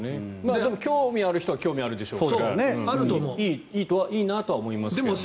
でも、興味がある人はあるでしょうからいいなとは思いますけども。